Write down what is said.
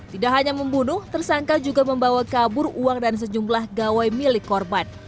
tidak hanya membunuh tersangka juga membawa kabur uang dan sejumlah gawai milik korban